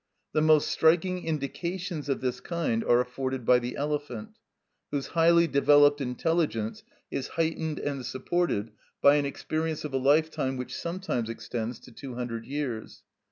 The most striking indications of this kind are afforded by the elephant, whose highly developed intelligence is heightened and supported by an experience of a lifetime which sometimes extends to two hundred years.